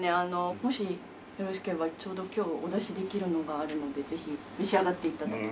もしよろしければちょうど今日お出しできるのがあるのでぜひ召し上がって頂きたい。